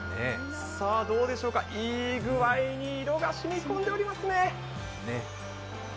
どうでしょうか、いい具合に色が染み込んでますね。